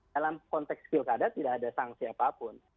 dalam konteks pilkada tidak ada sanksi apapun